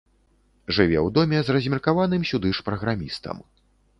Жыве ў доме з размеркаваным сюды ж праграмістам.